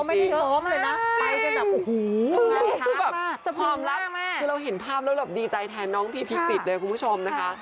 ไม่ได้โลฟเลยนะไปเป็นแบบโอ้โฮคือแบบพร้อมรักคือเราเห็นภาพแล้วดีใจแทนน้องพี่พิกษิตเลยคุณผู้ชมนะคะ